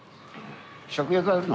食欲あるの？